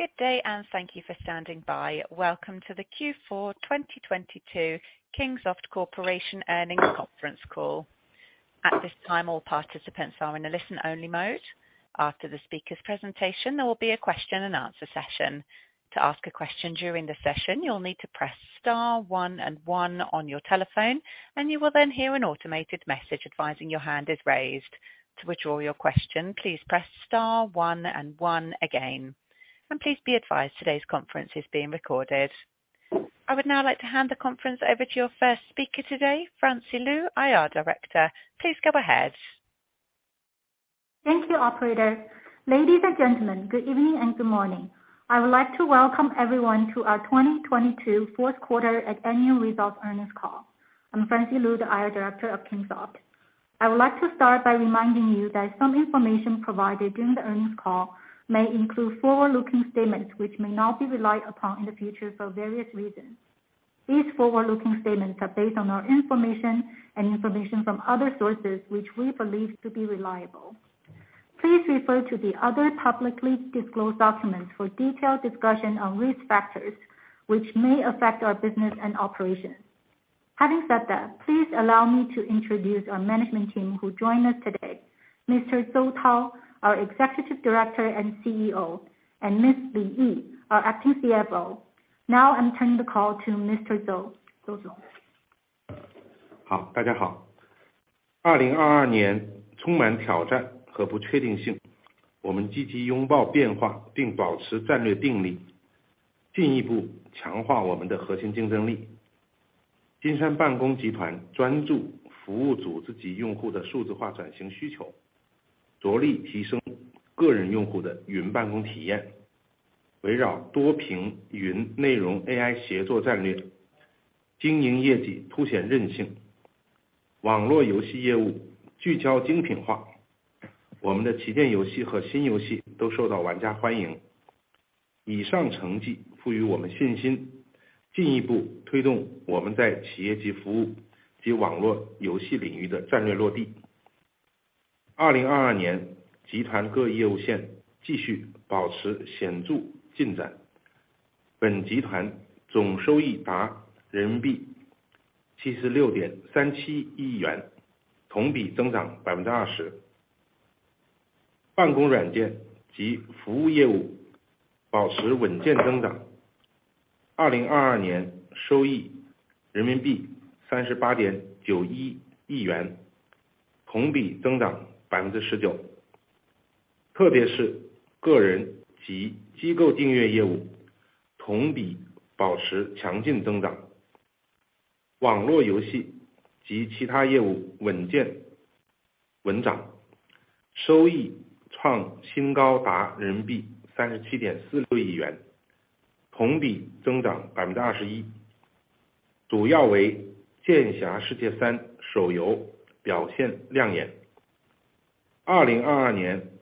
Good day, thank you for standing by. Welcome to the Q4 2022 Kingsoft Corporation Earnings Conference Call. At this time, all participants are in a listen-only mode. After the speaker's presentation, there will be a question-and-answer session. To ask a question during the session, you'll need to press star one and one on your telephone, and you will then hear an automated message advising your hand is raised. To withdraw your question, please press star one and one again. Please be advised today's conference is being recorded. I would now like to hand the conference over to your first speaker today, Francie Lu, IR Director. Please go ahead. Thank you, operator. Ladies and gentlemen, good evening and good morning. I would like to welcome everyone to our 2022 fourth quarter and annual results earnings call. I'm Francie Lu, the IR director of Kingsoft. I would like to start by reminding you that some information provided during the earnings call may include forward-looking statements, which may not be relied upon in the future for various reasons. These forward-looking statements are based on our information and information from other sources, which we believe to be reliable. Please refer to the other publicly disclosed documents for detailed discussion on risk factors which may affect our business and operations. Having said that, please allow me to introduce our management team who join us today. Mr. Zou Tao, our Executive Director and CEO, and Ms. Li Yi, our acting CFO. Now I'm turning the call to Mr. Zou. I'll translate for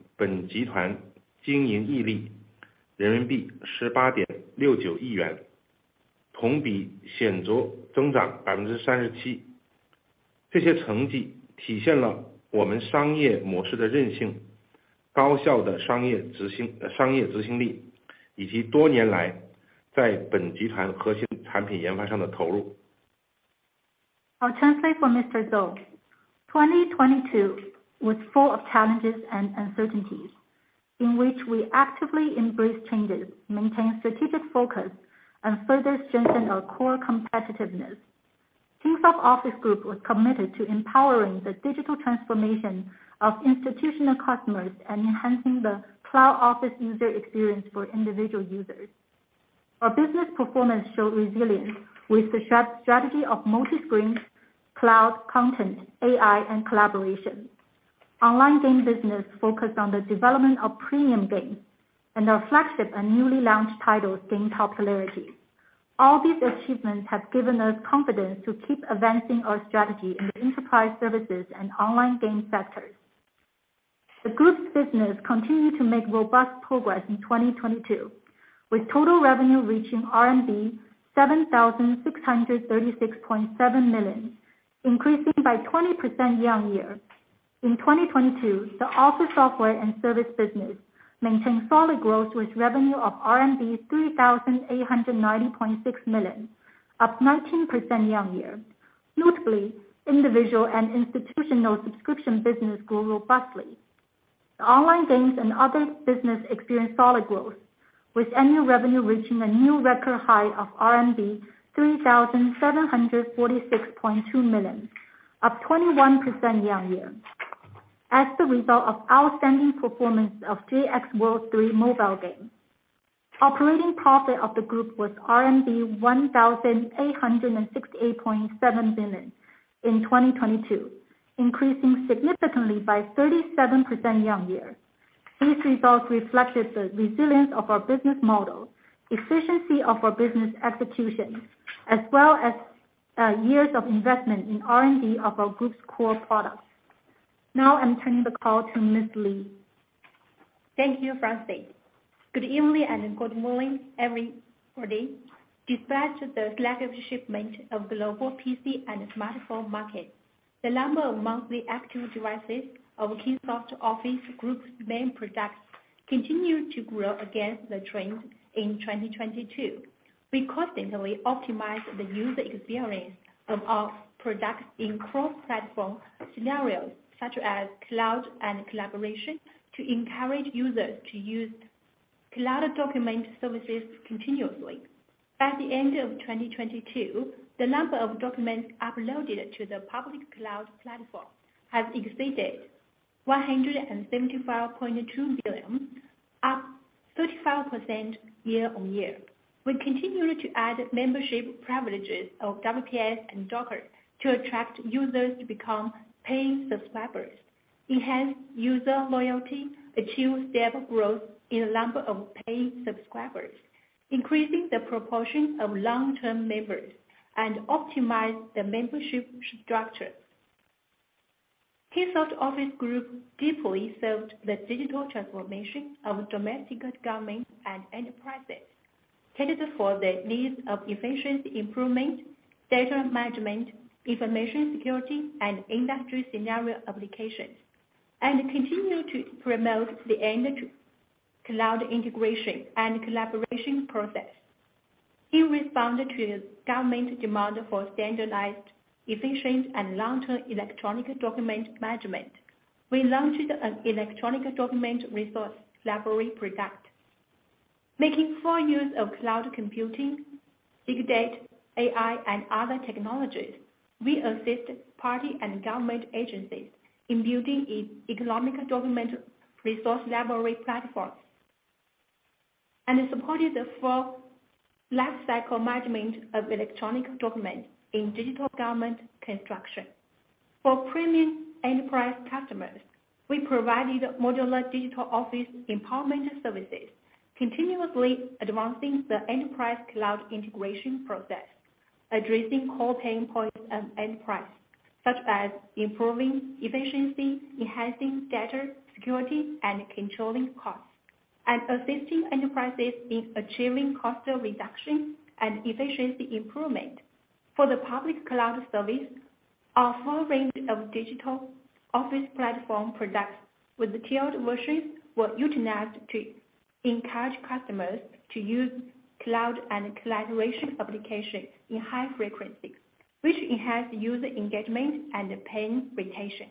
Mr. Zou. 2022 was full of challenges and uncertainties, in which we actively embraced changes, maintained strategic focus, and further strengthened our core competitiveness. Kingsoft Office Group was committed to empowering the digital transformation of institutional customers and enhancing the cloud office user experience for individual users. Our business performance showed resilience with the strategy of multi-screen, cloud, content, AI, and collaboration. Online game business focused on the development of premium games, and our flagship and newly launched titles gained popularity. All these achievements have given us confidence to keep advancing our strategy in the enterprise services and online game sectors. The group's business continued to make robust progress in 2022, with total revenue reaching RMB 7,636.7 million, increasing by 20% year-over-year. In 2022, the office software and service business maintained solid growth with revenue of RMB 3,890.6 million, up 19% year-on-year. Notably, individual and institutional subscription business grew robustly. The online games and other business experienced solid growth, with annual revenue reaching a new record high of RMB 3,746.2 million, up 21% year-on-year. As the result of outstanding performance of JX World III mobile game. Operating profit of the group was RMB 1,868.7 billion in 2022, increasing significantly by 37% year-on-year. These results reflected the resilience of our business model, efficiency of our business execution, as well as years of investment in R&D of our group's core products. Now I'm turning the call to Ms. Li. Thank you, Francie Lu. Good evening and good morning, everybody. Despite the selective shipment of global PC and smartphone market, the number of monthly active devices of Kingsoft Office Group's main products continued to grow against the trend in 2022. We constantly optimize the user experience of our products in cross-platform scenarios such as cloud and collaboration to encourage users to use cloud document services continuously. At the end of 2022, the number of documents uploaded to the public cloud platform has exceeded 175.2 billion, up 35% year-on-year. We continue to add membership privileges of WPS and Docer to attract users to become paying subscribers, enhance user loyalty, achieve stable growth in the number of paying subscribers, increasing the proportion of long-term members, and optimize the membership structure. Kingsoft Office Group deeply served the digital transformation of domestic government and enterprises, catered for the needs of efficiency improvement, data management, information security, and industry scenario applications, and continued to promote the end-to-cloud integration and collaboration process. In response to government demand for standardized, efficient, and long-term electronic document management, we launched an electronic document resource library product. Making full use of cloud computing, big data, AI, and other technologies, we assist party and government agencies in building electronic document resource library platforms, and supported the full life cycle management of electronic documents in digital government construction. For premium enterprise customers, we provided modular digital office empowerment services, continuously advancing the enterprise cloud integration process, addressing core pain points of enterprise, such as improving efficiency, enhancing data security, and controlling costs, and assisting enterprises in achieving cost reduction and efficiency improvement. For the public cloud service, our full range of digital office platform products with tiered versions were utilized to encourage customers to use cloud and collaboration applications in high frequencies, which enhanced user engagement and paying retention.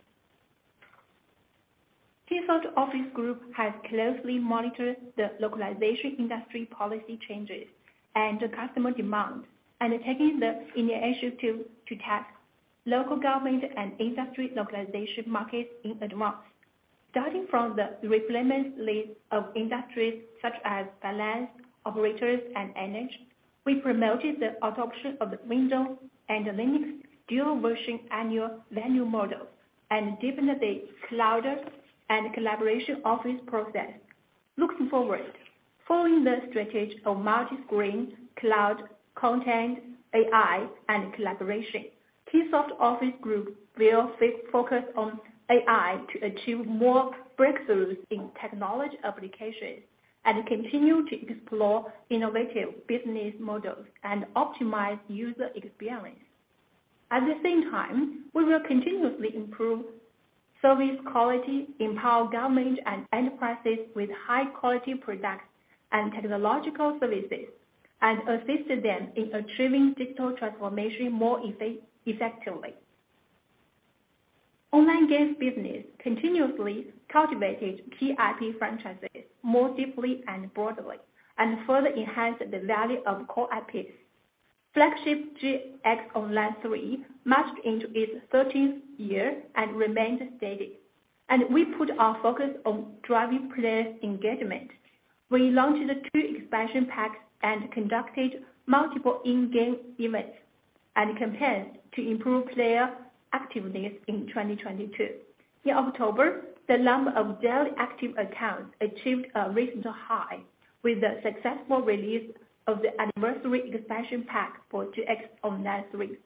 Kingsoft Office Group has closely monitored the localization industry policy changes and the customer demand, and are taking the initiative to tap local government and industry localization markets in advance. Starting from the replacement list of industries such as finance, operators, and energy, we promoted the adoption of the Windows and Linux dual version annual value model and deepened the cloud and collaboration office process. Looking forward, following the strategy of multi-screen, cloud, content, AI, and collaboration, Kingsoft Office Group will stay focused on AI to achieve more breakthroughs in technology applications and continue to explore innovative business models and optimize user experience. At the same time, we will continuously improve service quality, empower government and enterprises with high-quality products and technological services, and assist them in achieving digital transformation more effectively. Online games business continuously cultivated key IP franchises more deeply and broadly, and further enhanced the value of core IPs. Flagship JX Online III marked into its 13th year and remained steady. We put our focus on driving player engagement. We launched two expansion packs and conducted multiple in-game events and campaigns to improve player activities in 2022. In October, the number of daily active accounts achieved a recent high with the successful release of the anniversary expansion pack for JX Online III.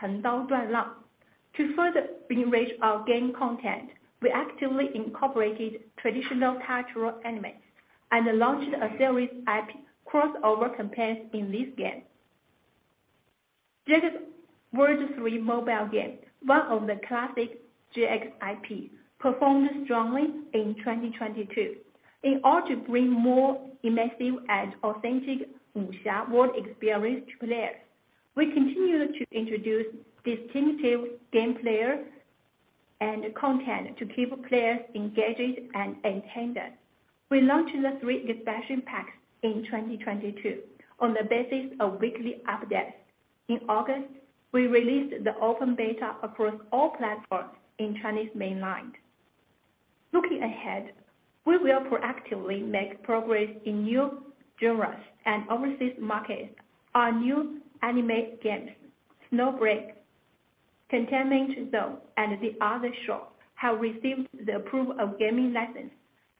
To further enrich our game content, we actively incorporated traditional cultural elements and launched a series IP crossover campaigns in this game. JX World III mobile game, one of the classic JX IP, performed strongly in 2022. In order to bring more immersive and authentic wuxia world experience to players, we continue to introduce distinctive game players and content to keep players engaged and entertained. We launched the 3 expansion packs in 2022 on the basis of weekly updates. In August, we released the open beta across all platforms in Chinese mainland. Looking ahead, we will proactively make progress in new genres and overseas markets. Our new animated games, Snowbreak: Containment Zone, and The Other Shore, have received the approval of gaming license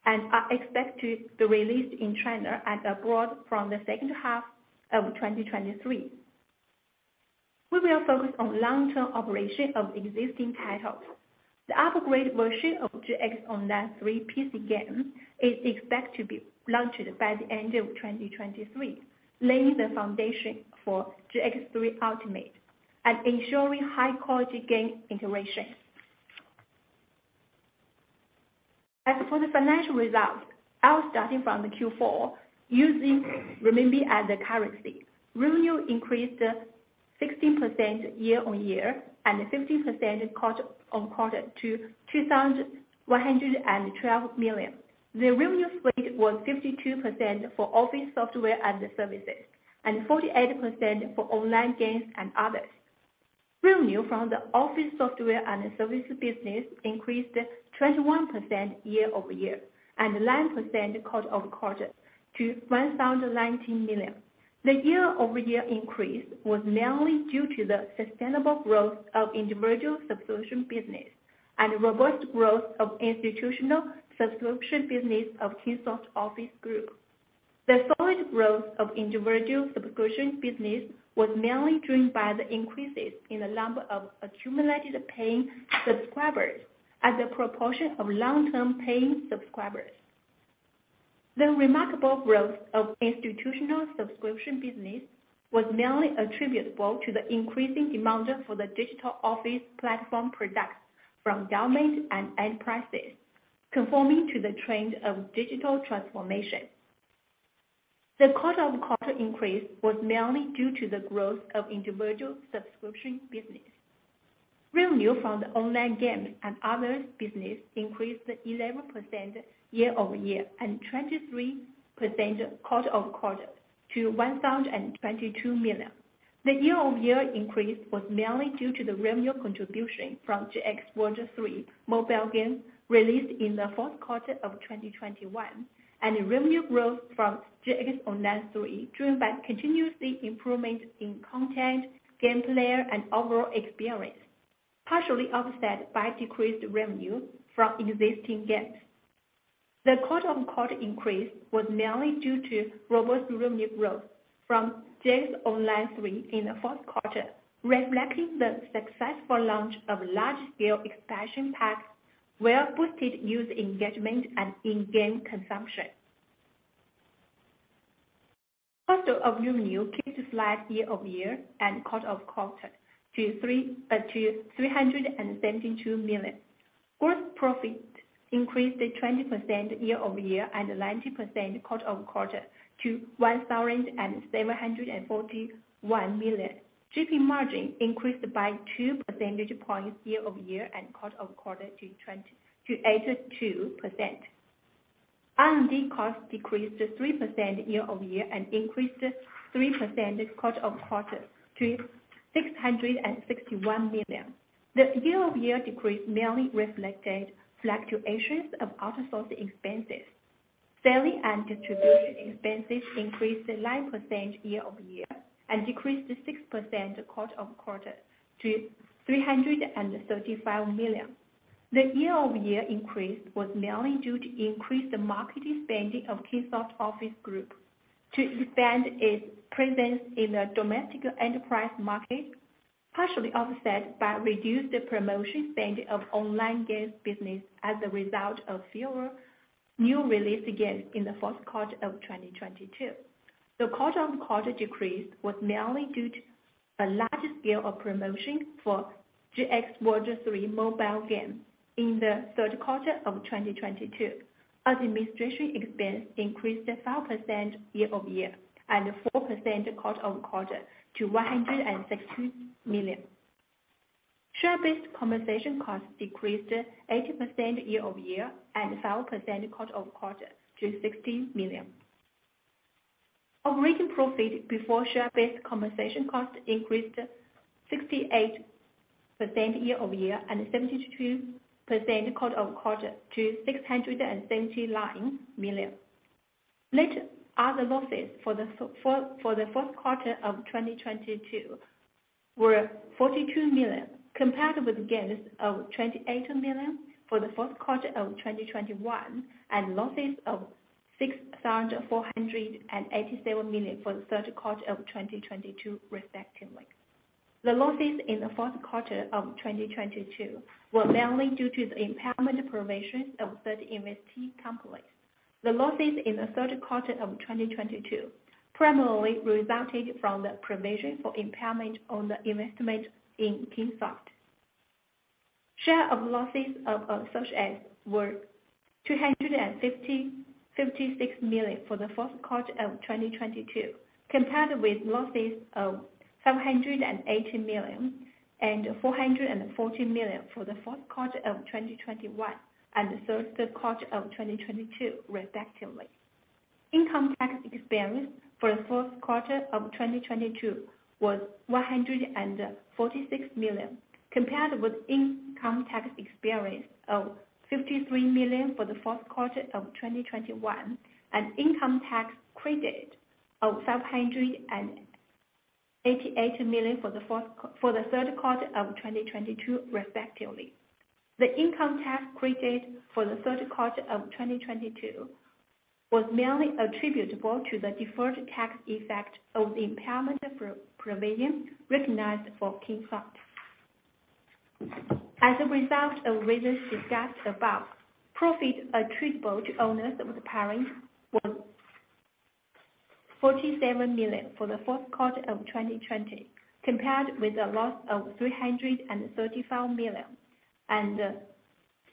and are expected to be released in China and abroad from the second half of 2023. We will focus on long term operation of existing titles. The upgrade version of JX Online III PC game is expected to be launched by the end of 2023, laying the foundation for JX3 Ultimate and ensuring high quality game integration. As for the financial results, I'll starting from the Q4 using renminbi as the currency. Revenue increased 16% year-on-year and 15% quarter-on-quarter to 2,112 million. The revenue split was 52% for office software and services, and 48% for online games and others. Revenue from the office software and services business increased 21% year-over-year and 9% quarter-over-quarter to 1,019 million. The year-over-year increase was mainly due to the sustainable growth of individual subscription business and robust growth of institutional subscription business of Kingsoft Office Group. The solid growth of individual subscription business was mainly driven by the increases in the number of accumulated paying subscribers as a proportion of long-term paying subscribers. The remarkable growth of institutional subscription business was mainly attributable to the increasing demand for the digital office platform products from government and enterprises conforming to the trend of digital transformation. The quarter-over-quarter increase was mainly due to the growth of individual subscription business. Revenue from the online game and others business increased 11% year-over-year and 23% quarter-over-quarter to 1,022 million. The year-over-year increase was mainly due to the revenue contribution from JX World III mobile game released in the fourth quarter of 2021, and the revenue growth from JX Online III, driven by continuously improvement in content, game play, and overall experience, partially offset by decreased revenue from existing games. The quarter-on-quarter increase was mainly due to robust revenue growth from JX Online III in the fourth quarter, reflecting the successful launch of large scale expansion packs well boosted user engagement and in-game consumption. Cost of revenue keeps slight year-over-year and quarter-over-quarter to RMB 372 million. Gross profit increased 20% year-over-year and 90% quarter-over-quarter to 1,741 million. GP margin increased by 2 percentage points year-over-year and quarter-over-quarter to 82%. R&D costs decreased 3% year-over-year and increased 3% quarter-over-quarter to 661 million. The year-over-year decrease mainly reflected fluctuations of outsourced expenses. Selling and distribution expenses increased 9% year-over-year and decreased 6% quarter-over-quarter to 335 million. The year-over-year increase was mainly due to increased marketing spending of Kingsoft Office Group to expand its presence in the domestic enterprise market, partially offset by reduced promotion spending of online games business as a result of fewer new released games in the fourth quarter of 2022. The quarter-over-quarter decrease was mainly due to a large scale of promotion for JX World III mobile game in the third quarter of 2022. Administration expense increased 5% year-over-year and 4% quarter-over-quarter to 160 million. Share-based compensation cost decreased 80% year-over-year and 5% quarter-over-quarter to 60 million. Operating profit before share-based compensation cost increased 68% year-over-year and 72% quarter-over-quarter to 679 million. Net other losses for the fourth quarter of 2022 were 42 million, compared with gains of 28 million for the fourth quarter of 2021, and losses of 6,487 million for the third quarter of 2022 respectively. The losses in the fourth quarter of 2022 were mainly due to the impairment provisions of certain investee companies. The losses in the third quarter of 2022 primarily resulted from the provision for impairment on the investment in Kingsoft. Share of losses of such as were 256 million for the fourth quarter of 2022, compared with losses of 780 million and 440 million for the fourth quarter of 2021 and the third quarter of 2022 respectively. Income tax expense for the fourth quarter of 2022 was 146 million, compared with income tax expense of 53 million for the fourth quarter of 2021, and income tax credit of 788 million for the third quarter of 2022 respectively. The income tax credit for the third quarter of 2022 was mainly attributable to the deferred tax effect of the impairment provision recognized for Kingsoft. As a result of reasons discussed above, profit attributable to owners of the parent was 47 million for the fourth quarter of 2020, compared with a loss of 335 million and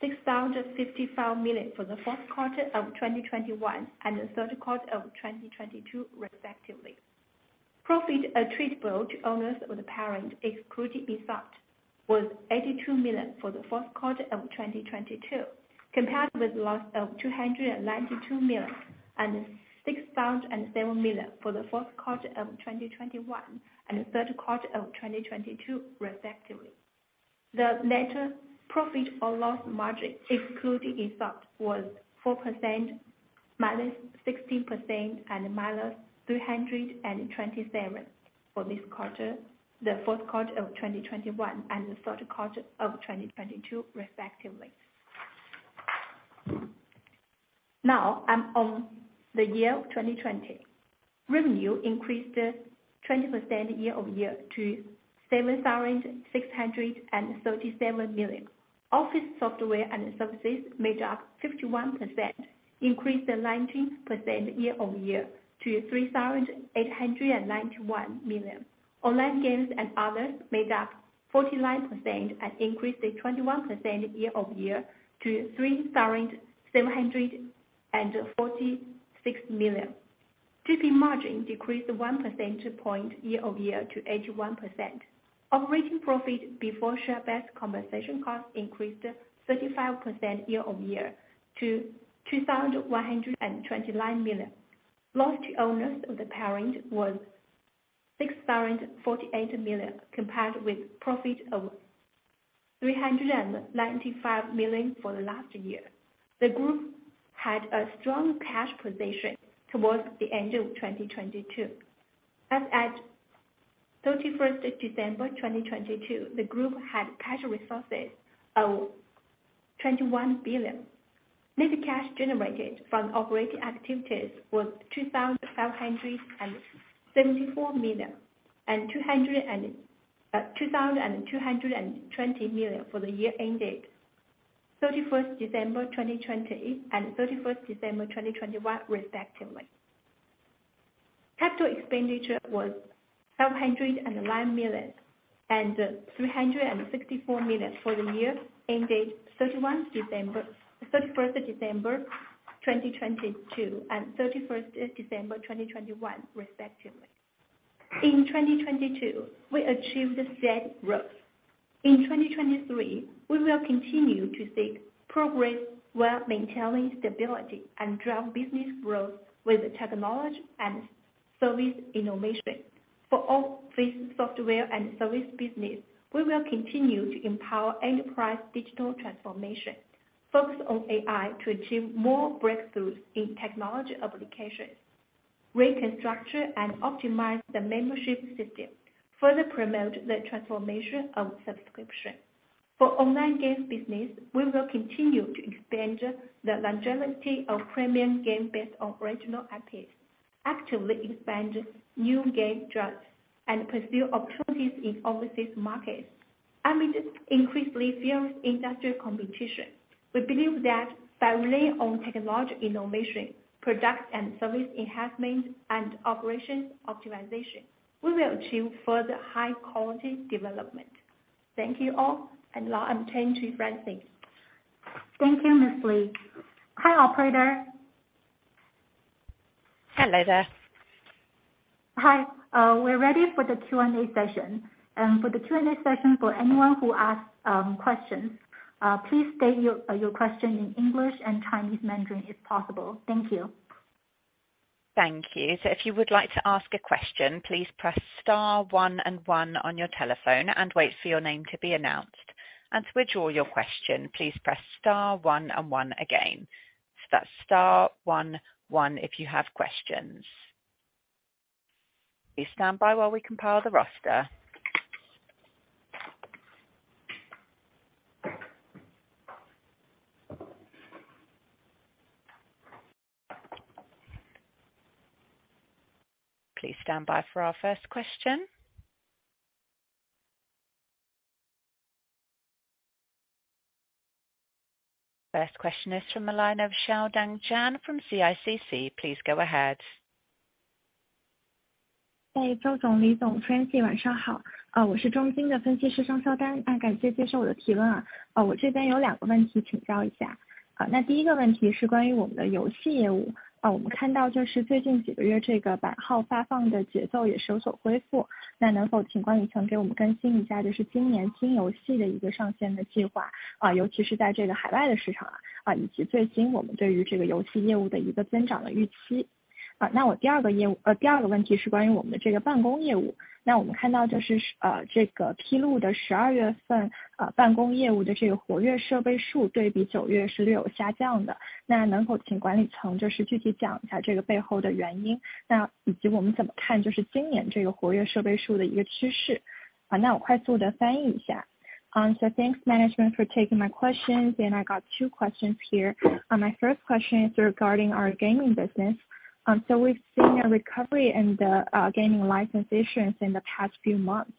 6,055 million for the fourth quarter of 2021 and the third quarter of 2022 respectively. Profit attributable to owners of the parent, excluding ESOP, was 82 million for the fourth quarter of 2022, compared with a loss of 292 million and 6,007 million for the fourth quarter of 2021 and the third quarter of 2022, respectively. The net profit or loss margin, excluding ESOP, was 4%, -60% and -327% for this quarter, the fourth quarter of 2021 and the third quarter of 2022, respectively. Now on the year 2020. Revenue increased 20% year-over-year to 7,637 million. Office software and services made up 51%, increased 19% year-over-year to 3,891 million. Online games and others made up 49% and increased 21% year-over-year to 3,746 million. GP margin decreased 1 percentage point year-over-year to 81%. Operating profit before share-based compensation costs increased 35% year-over-year to 2,129 million. Loss to owners of the parent was 6,048 million, compared with profit of 395 million for last year. The group had a strong cash position towards the end of 2022. As at 31st December 2022, the group had cash resources of 21 billion. Net cash generated from operating activities was 2,774 million, and 2,220 million for the year ended 31st December 2020 and 31st December 2021 respectively. Capital expenditure was 709 million and 364 million for the year ended 31st December 2022 and 31st December 2021 respectively. In 2022, we achieved steady growth. In 2023, we will continue to seek progress while maintaining stability and drive business growth with technology and service innovation. For office software and service business, we will continue to empower enterprise digital transformation, focus on AI to achieve more breakthroughs in technology applications, restructure and optimize the membership system, further promote the transformation of subscription. For online games business, we will continue to expand the longevity of premium game-based original IP, actively expand new game genres, and pursue opportunities in overseas markets. Amid increasingly fierce industry competition, we believe that by rely on technology innovation, product and service enhancement, and operations optimization, we will achieve further high-quality development. Thank you all. Now I turn to Francie. Thank you, Ms. Li. Hi, operator. Hello there. Hi. We're ready for the Q&A session. For the Q&A session for anyone who asks questions, please state your question in English and Chinese Mandarin if possible. Thank you. Thank you. If you would like to ask a question, please press star 1 and 1 on your telephone and wait for your name to be announced. To withdraw your question, please press star 1 and 1 again. That's star 1 if you have questions. Please stand by while we compile the roster. Please stand by for our first question. First question is from the line of Shao Dan Chan from CICC. Please go ahead. Thanks management for taking my questions, and I got two questions here. My first question is regarding our gaming business. We've seen a recovery in the gaming license issuance in the past few months.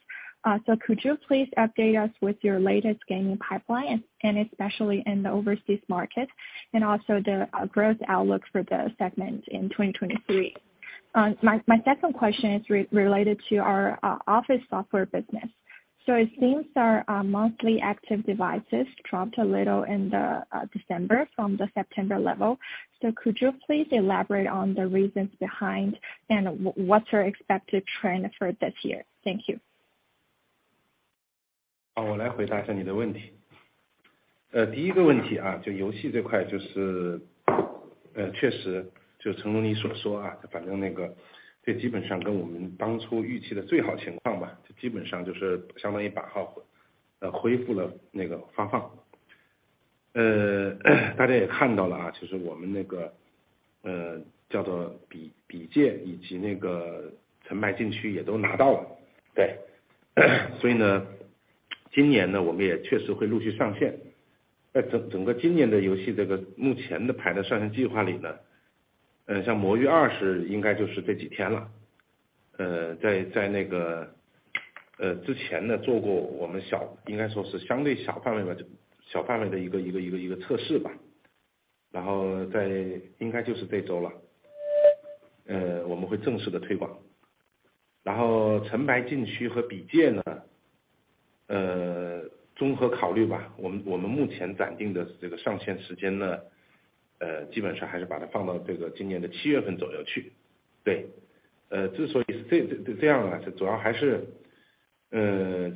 Could you please update us with your latest gaming pipeline and especially in the overseas market and also the growth outlook for the segment in 2023? My second question is related to our office software business. It seems our monthly active devices dropped a little in the December from the September level. Could you please elaborate on the reasons behind and what's your expected trend for this year? Thank you. 我来回答一下你的问题。第一个问题 啊， 就游戏这 块， 就是确实就如同你所说 啊， 反正那个这基本上跟我们当初预期的最好情况 吧， 基本上就是相当于把号恢复了那个发放。大家也看到了 啊， 其实我们那个叫做 The Other Shore 以及那个 Snowbreak: Containment Zone 也都拿到了。对。今年 呢， 我们也确实会陆续上线。在整整个今年的游戏这个目前的排在上线计划里呢，像 魔域手游2 应该就是这几天 了， 在那个之前 呢， 做过我们小应该说是相对小范围 的， 小范围的一 个， 一 个， 一 个， 一个测试吧。在应该就是这周 了， 我们会正式地推广。Snowbreak: Containment Zone 和 The Other Shore 呢， 综合考虑 吧， 我 们， 我们目前暂定的这个上线时间呢，基本上还是把它放到这个今年 7 月份左右去。对。之所以是这样 呢， 这主要还是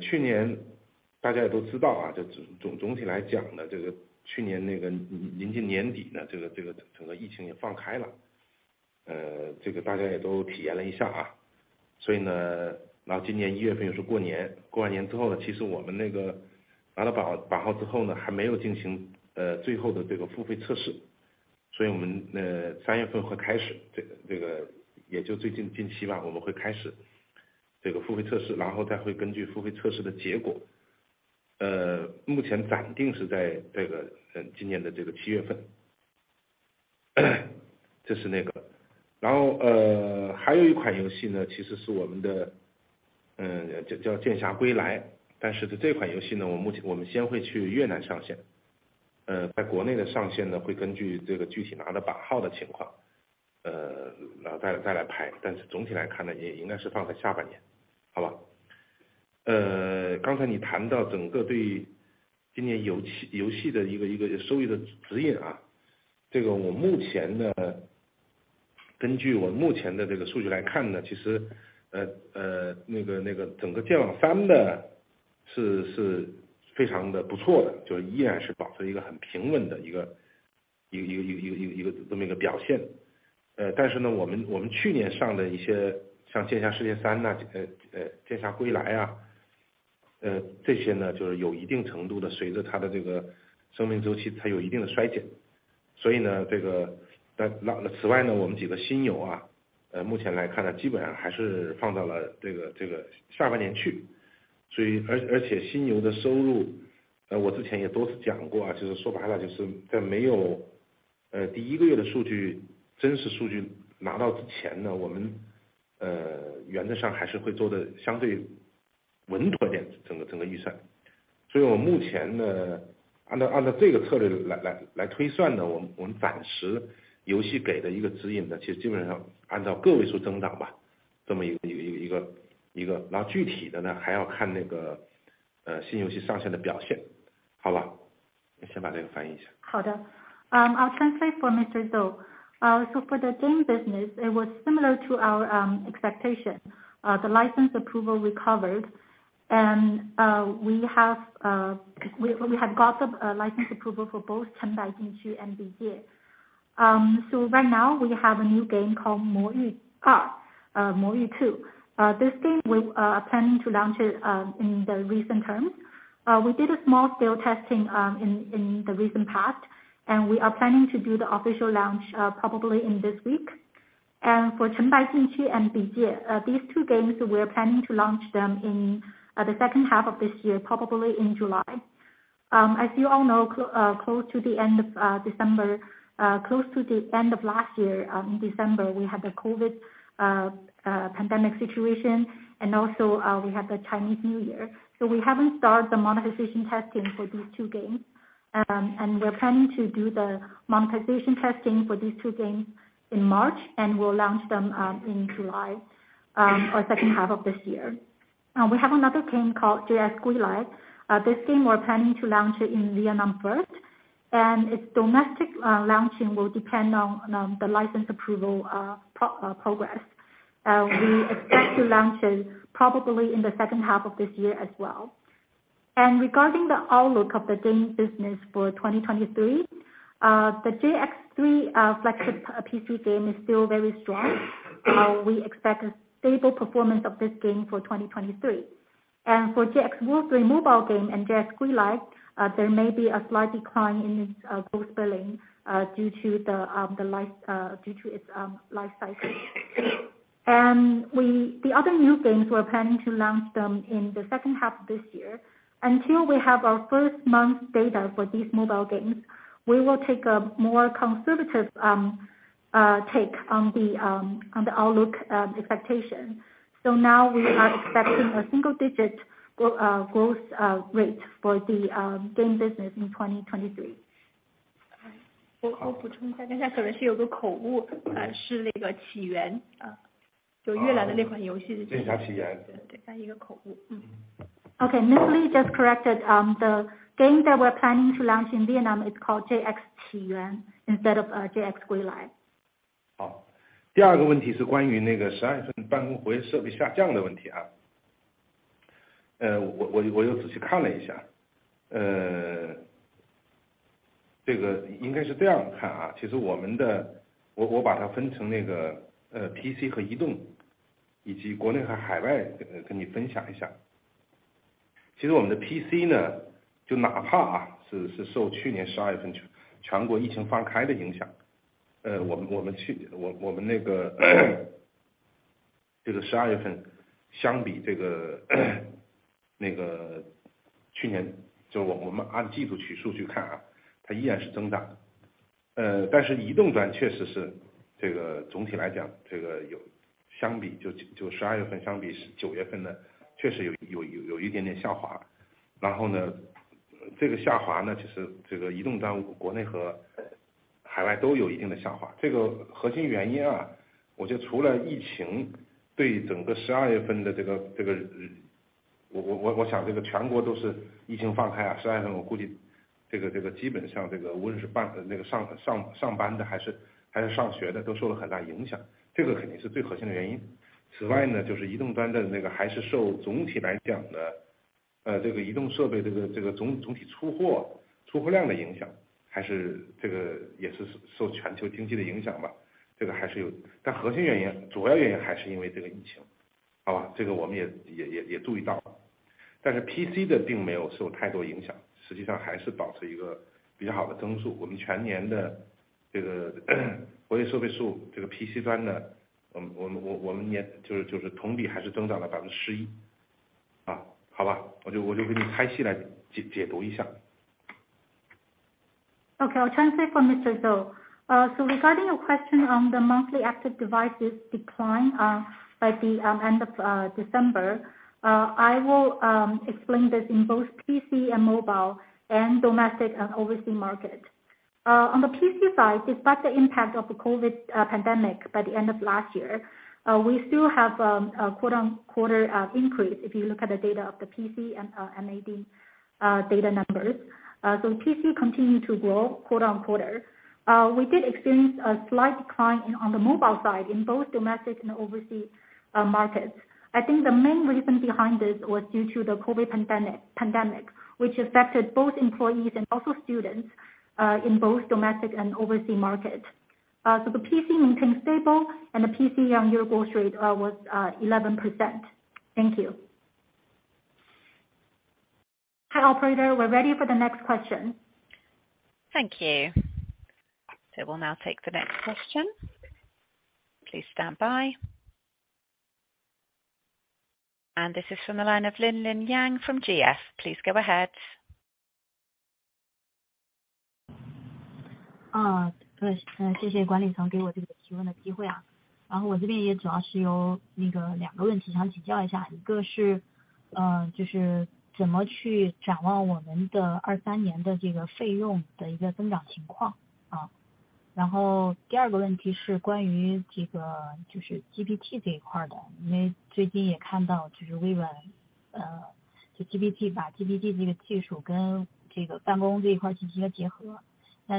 去年大家也都知道 啊， 这总体来讲 呢， 这个去年那个临近年底 呢， 这 个， 这个整个疫情也放开 了， 这个大家也都体验了一下啊。然后今年 1 月份又是过 年， 过完年之后 呢， 其实我们那个拿到版号之后 呢， 还没有进行最后的这个付费测试，我们3 月份会开 始， 这 个， 这个也就最近近期 吧， 我们会开始这个付费测 试， 然后再会根据付费测试的结 果， 目前暂定是在这个今年 7 月份， 这是那个。还有一款游戏 呢， 其实是我们的叫 JX I: Gui Lai， 这款游戏 呢， 我目前我们先会去越南上线，在国内的上线 呢， 会根据这个具体拿的版号的情况再来 排， 总体来看 呢， 也应该是放在下半年。刚才你谈到整个对今年游 戏， 游戏的一 个， 一个收益的指引 啊， 这个我目前 呢， 根据我目前的这个数据来看 呢， 其实那个整个 JX Online III 呢， 是非常的不错 的， 就依然是保持一个很平稳的一 个， 一 个， 一 个， 一 个， 一 个， 这么一个表现。我 们， 我们去年上的一些像 剑侠世界3 呢， JX I: Gui Lai 啊， 这些 呢， 就是有一定程度的随着它的这个生命周 期， 它有一定的衰减。这 个， 那， 那此外 呢， 我们几个新游 啊， 目前来看 呢， 基本上还是放到了这 个， 这个下半年去，而且新游的收 入， 我之前也多次讲过 啊， 就是说白了就是在没有第一个月的数 据， 真实数据拿到之前 呢， 我们原则上还是会做得相对稳妥 点， 整 个， 整个预算。我们目前 呢， 按 照， 按照这个策略 来， 来， 来推算 呢， 我 们， 我们暂时游戏给的一个指引 呢， 其实基本上按照个位数增长 吧， 这么一个，一 个， 一个。具体的 呢， 还要看那个新游戏上线的表现。好 吧， 你先把这个翻译一下。好的。I'll translate for Mr. Zou. For the game business, it was similar to our expectation. The license approval recovered. We have got the license approval for both Chen Bai Jin Qu and Bi Jie. Right now we have a new game called Mo Yu 2. This game we're planning to launch it in the recent term. We did a small scale testing in the recent past, we are planning to do the official launch probably in this week. For Chen Bai Jin Qu and Bi Jie, these two games, we are planning to launch them in the second half of this year, probably in July. As you all know, close to the end of December. Close to the end of last year, in December, we had the COVID pandemic situation and also, we had the Chinese New Year. We haven't started the monetization testing for these two games. We're planning to do the monetization testing for these two games in March, and we'll launch them in July, or second half of this year. We have another game called JX Gui Lai. This game we're planning to launch it in Vietnam first, and its domestic launching will depend on the license approval progress. We expect to launch it probably in the second half of this year as well. Regarding the outlook of the game business for 2023, the JX3 flagship PC game is still very strong. We expect a stable performance of this game for 2023. For JX World III mobile game and JX Gui Lai, there may be a slight decline in its post billing, due to its life cycle. We, the other new games we are planning to launch them in the second half this year. Until we have our first month data for these mobile games, we will take a more conservative take on the outlook expectation. Now we are expecting a single digit growth rate for the game business in 2023. 我， 我补充一 下， 刚才可能是有个口 误， 呃， 是那个起 源， 呃， 就越南的那款游戏是-剑侠起源。对， 刚才一个口误。嗯。Okay, Miss Li just corrected, the game that we're planning to launch in Vietnam is called JX 起源 instead of JX 归来. 好， 第二个问题是关于那个十二月份办公活跃设备下降的问题啊。呃， 我， 我， 我又仔细看了一 下， 呃， 这个应该是这样看 啊， 其实我们 的， 我， 我把它分成那 个， 呃 ，PC 和移 动， 以及国内和海 外， 这个跟你分享一下。其实我们的 PC 呢， 就哪怕 是， 是受去年十二月份 全， 全国疫情放开的影 响， 呃， 我 们， 我们 去， 我， 我们那个这个十二月份相比这个那个去 年， 就我 们， 我们按季度取数据看 啊， 它依然是增 长， 呃， 但是移动端确实是这个总体来 讲， 这个有相 比， 就， 就十二月份相比九月份 呢， 确实 有， 有， 有， 有一点点下滑。然后 呢， 这个下滑 呢， 其实这个移动 端， 国内和海外都有一定的下滑。这个核心原因 啊， 我觉得除了疫 情， 对整个十二月份的这 个， 这 个， 我， 我， 我想这个全国都是疫情放开 啊， 十二月份我估计这 个， 这个基本上这个无论是 办， 呃， 那个 上， 上， 上班的还是，还是上学的都受到了很大影 响， 这个肯定是最核心的原因。此外 呢， 就是移动端的那个还是受总体来讲 的， 呃， 这个移动设备这 个， 这个 总， 总体出 货， 出货量的影 响， 还是这个也是 受， 受全球经济的影响 吧， 这个还是有。但核心原 因， 主要原因还是因为这个疫情。好 吧， 这个我们 也， 也， 也， 也注意到了。但是 PC 的并没有受太多影 响， 实际上还是保持一个比较好的增速。我们全年的这个活跃设备 数， 这个 PC 端 呢， 我 们， 我 们， 我， 我们 也， 就 是， 就是同比还是增长了百分之十一。啊， 好 吧， 我 就， 我就给你拆细来 解， 解读一下。I'll translate for Mr. Zou. Regarding your question on the monthly active devices decline, by the end of December. I will explain this in both PC and mobile and domestic and overseas market. On the PC side, despite the impact of the COVID pandemic by the end of last year, we still have a quarter-on-quarter increase if you look at the data of the PC and MAD data numbers. PC continue to grow quarter-on-quarter. We did experience a slight decline on the mobile side in both domestic and overseas markets. The main reason behind this was due to the COVID pandemic, which affected both employees and also students, in both domestic and overseas markets. The PC maintained stable and the PC year-on-year growth rate was 11%. Thank you. Hi operator, we're ready for the next question. Thank you. We'll now take the next question. Please stand by. This is from the line of Linlin Yang from GF. Please go ahead. My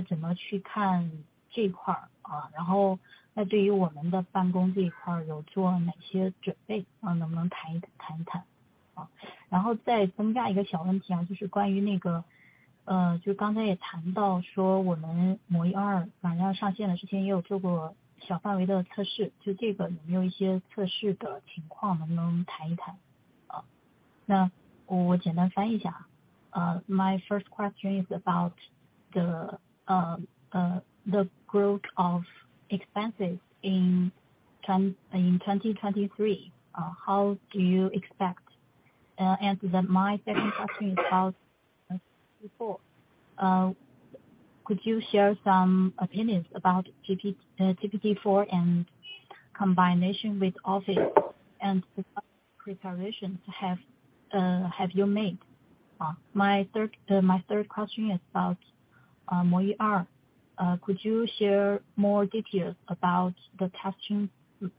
first question is about the growth of expenses in 2023. How do you expect? My second question is about GPT-4. Could you share some opinions about GPT-4 and combination with Office and pre-preparation have you made? My third question is about 魔域2. Could you share more details about the testing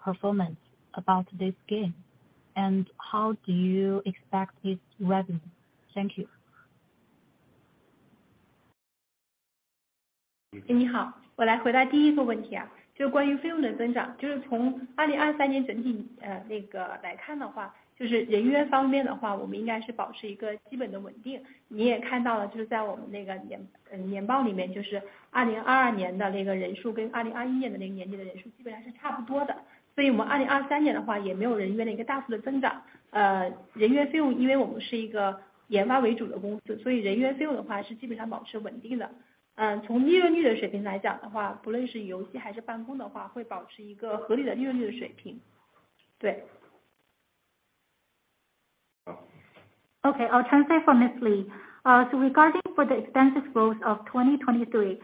performance about this game? How do you expect its revenue? Thank you. 你 好， 我来回答第一个问题 啊， 就是关于费用的增 长， 就是从2023年整 体， 呃， 那个来看的话，就是人员方面的 话， 我们应该是保持一个基本的稳定。你也看到 了， 就是在我们那个 年， 呃， 年报里 面， 就是2022年的那个人 数， 跟2021年的那个年底的人数基本上是差不多的。所以我们2023年的话也没有人员的一个大幅的增长。呃， 人员费 用， 因为我们是一个研发为主的公 司， 所以人员费用的话是基本上保持稳定的。嗯， 从利润率的水平来讲的 话， 不论是游戏还是办公的 话， 会保持一个合理的利润率的水平。对 Okay, I'll translate for Ms. Li. Regarding for the expenses growth of 2023,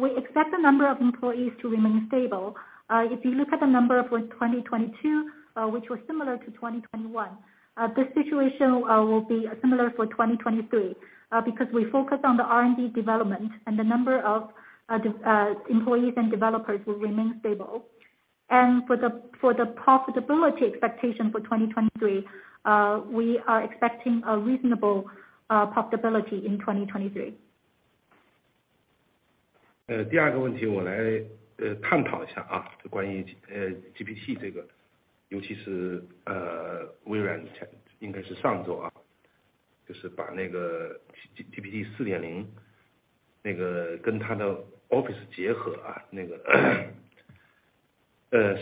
we expect the number of employees to remain stable. If you look at the number for 2022, which was similar to 2021, this situation will be similar for 2023. Because we focus on the R&D development and the number of employees and developers will remain stable. For the profitability expectation for 2023, we are expecting a reasonable profitability in 2023. 第2个问题我来探讨一 下， 就关于 GPT 这 个， 尤其是 Microsoft 以前应该是上 周， 就是把那个 GPT-4 那个跟它的 Office 结合。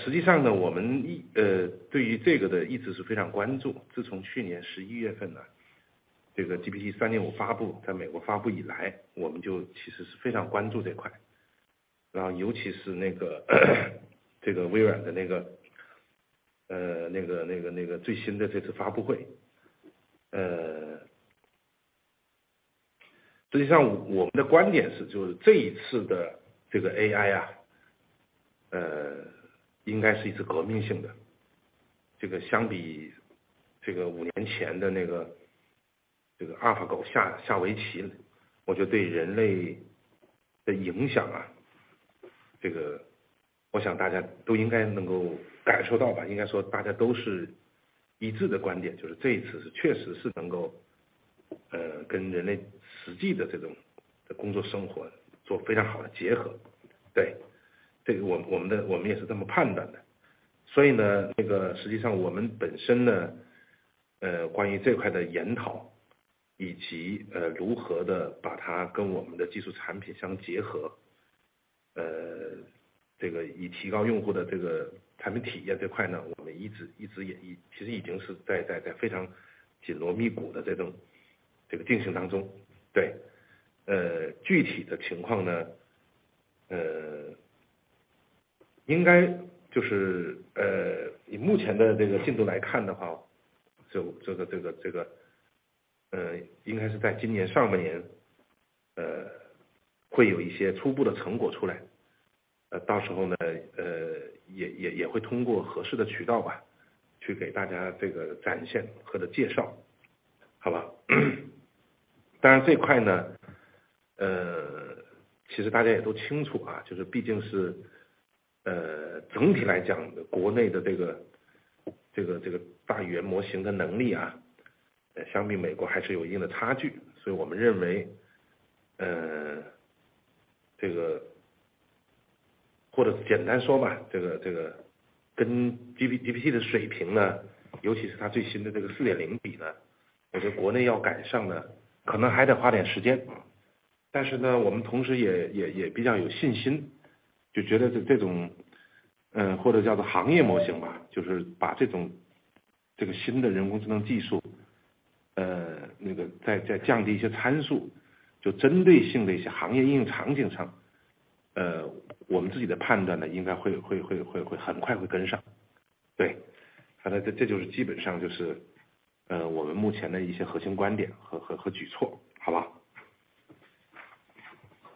实际上 呢， 我们对于这个的一直是非常关注。自从去年11月份 呢， 这个 GPT-3.5 发布在美国发布以 来， 我们就其实是非常关注这 块， 尤其是那个 Microsoft 的那个最新的这次发布会。实际上我们的观点 是， 就是这一次的这个 AI， 应该是一次革命性的。这个相比这个5年前的那个这个 AlphaGo 下围 棋， 我觉得对人类的影 响， 我想大家都应该能够感受到吧。应该说大家都是一致的观 点， 就是这一次是确实是能够跟人类实际的这种的工作生活做非常好的结合。我们的我们也是这么判断的。实际上我们本身 呢， 关于这块的研 讨， 以及如何地把它跟我们的技术产品相结 合， 这个以提高用户的这个产品体验这块 呢， 我们一直也已其实已经是在非常紧锣密鼓的这种这个进行当 中， 对。具体的情况 呢， 应该就 是， 以目前的这个进度来看的 话， 就这个应该是在今年上半 年， 会有一些初步的成果出来。到时候 呢， 也会通过合适的渠道 吧， 去给大家这个展现或者介 绍， 好吧。这块 呢， 其实大家也都清 楚， 就是毕竟是，总体来 讲， 国内的这个大语言模型的能 力， 相比美国还是有一定差距。我们认 为， 这个或者简单说 吧， 这个跟 GPT 的水平 呢， 尤其是它最新的这个 GPT-4 比 呢， 我觉得国内要赶上 呢， 可能还得花点时间。我们同时也比较有信 心， 就觉得这种或者叫做行业模型 吧， 就是把这种这个新的人工智能技 术， 那个再降低一些参 数， 就针对性的一些行业应用场景 上， 我们自己的判断 呢， 应该会很快会跟上。反正这就是基本上就是我们目前的一些核心观点和举 措， 好 吗？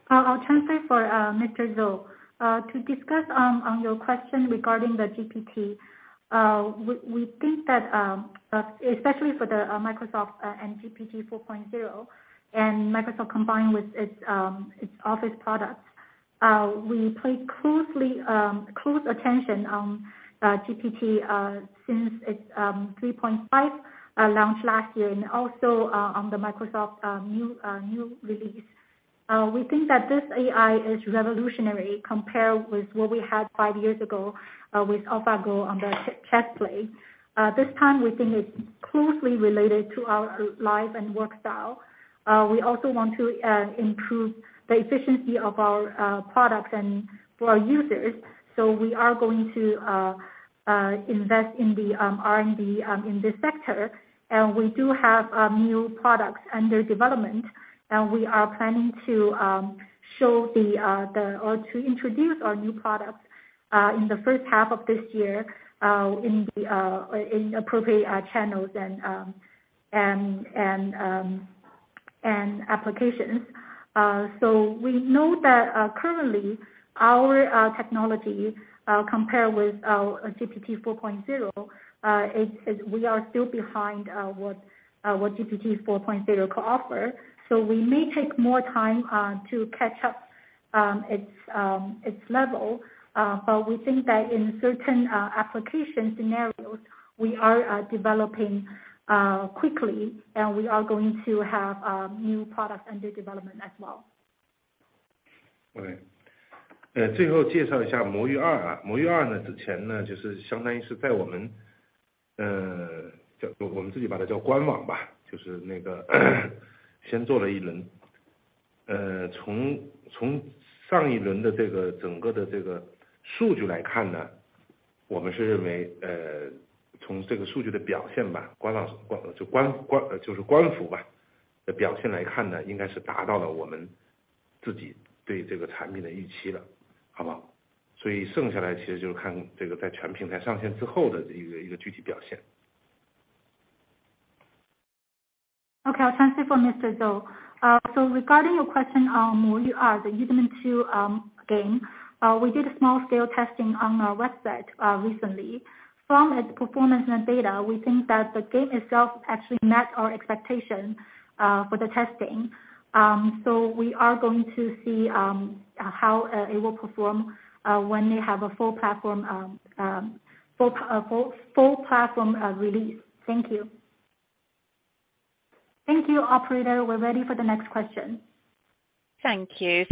I'll translate for Mr. Zou. To discuss on your question regarding the GPT, we think that especially for Microsoft and GPT-4 and Microsoft combined with its office products, we pay closely close attention on GPT since its 3.5 launched last year, and also on Microsoft's new release. We think that this AI is revolutionary compared with what we had five years ago with AlphaGo on the chess play. This time we think it's closely related to our life and work style. We also want to improve the efficiency of our products and for our users. We are going to invest in the R&D in this sector, and we do have new products under development, and we are planning to show or to introduce our new products in the first half of this year, in appropriate channels and applications. We know that currently our technology compared with GPT-4, it's, we are still behind what GPT-4 could offer. We may take more time to catch up its level, but we think that in certain application scenarios, we are developing quickly and we are going to have new products under development as well. OK， 呃最后介绍一下魔域二 啊， 魔域二呢之前呢就是相当于是在我 们， 呃， 叫， 我我们自己把它叫官网 吧， 就是那个先做了一 轮， 呃， 从， 从上一轮的这个整个的这个数据来看 呢， 我们是认 为， 呃， 从这个数据的表现 吧， 官 方， 官， 就 官， 官， 呃就是官服 吧， 的表现来看 呢， 应该是达到了我们自己对这个产品的预期 了， 好 吗？ 所以剩下来其实就是看这个在全平台上线之后的一 个， 一个具体表现。Okay, I'll translate for Mr. Zou. Regarding your question on 魔域二 the Yuzu two game, we did a small scale testing on our website recently. From its performance and data, we think that the game itself actually met our expectation for the testing. We are going to see how it will perform when they have a full platform release. Thank you. Thank you operator, we're ready for the next question. Thank you.